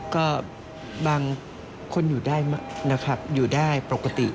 ก็บางคนอยู่ได้ปกติ